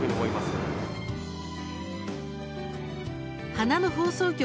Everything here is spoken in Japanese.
花の放送局